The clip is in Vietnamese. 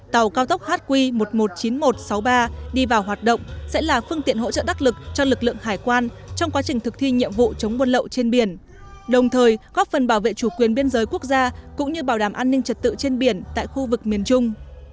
tàu cao tốc hq một trăm một mươi chín nghìn một trăm sáu mươi ba đi vào hoạt động sẽ là phương tiện hỗ trợ đắc lực cho lực lượng hải quan trong quá trình thực thi nhiệm vụ chống buôn lậu trên biển đồng thời góp phần bảo vệ chủ quyền biên giới quốc gia cũng như bảo đảm an ninh trật tự trên biển tại khu vực miền trung